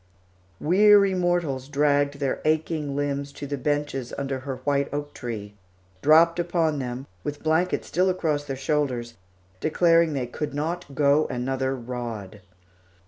Weary mortals dragged their aching limbs to the benches under her white oak tree, dropped upon them, with blankets still across their shoulders, declaring they could not go another rod.